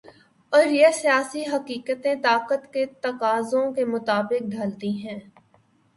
اور یہ سیاسی حقیقتیں طاقت کے تقاضوں کے مطابق ڈھلتی ہیں۔